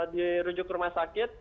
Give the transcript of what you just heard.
dirujuk ke rumah sakit